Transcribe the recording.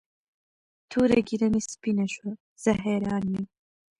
توره ږیره مې سپینه شوه زه حیران یم.